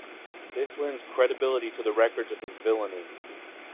This lends credibility to the records of his villainy.